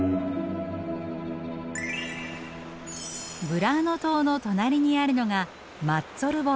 ブラーノ島の隣にあるのがマッツォルボ島。